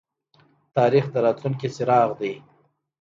تاریخ د راتلونکي څراغ دی